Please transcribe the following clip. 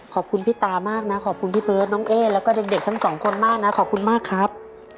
ขอบคุณพี่ตามากนะขอบคุณพี่เบิร์ตน้องเอ๊แล้วก็เด็กทั้งสองคนมากนะขอบคุณมากครับ